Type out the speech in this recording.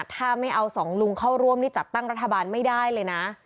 ถ้าไม่เอาสองลุงเข้าร่วมนี่จัดตั้งรัฐบาลไม่ได้เลยนะ